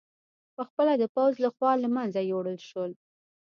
په خپله د پوځ له خوا له منځه یووړل شول